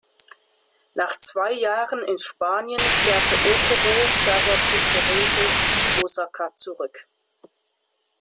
Nach zwei Jahren in Spanien kehrte Ōkubo daher zu Cerezo Osaka zurück.